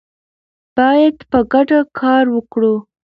باید په ګډه کار وکړو.